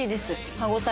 歯応え